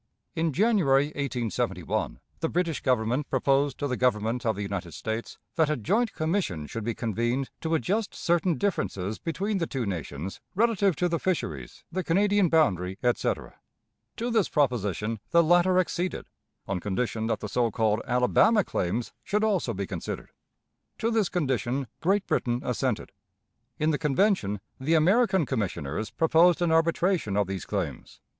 In January, 1871, the British Government proposed to the Government of the United States that a joint commission should be convened to adjust certain differences between the two nations relative to the fisheries, the Canadian boundary, etc. To this proposition the latter acceded, on condition that the so called Alabama claims should also be considered. To this condition Great Britain assented. In the Convention the American Commissioners proposed an arbitration of these claims.